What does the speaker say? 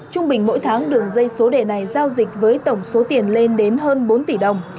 trung bình mỗi tháng đường dây số đề này giao dịch với tổng số tiền lên đến hơn bốn tỷ đồng